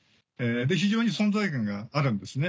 非常に存在感があるんですね